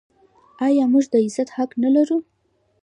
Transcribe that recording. آیا موږ د عزت حق نلرو؟